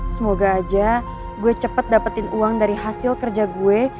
semoga aja gue cepet dapetin uang dari hasil kerja gue